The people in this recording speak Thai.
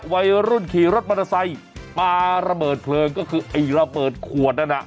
วัยรุ่นขี่รถมันไทยปาระเบิดเคลืองก็คือไอ้ระเบิดขวดนั่นนะ